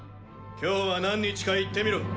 今日は何日か言ってみろ！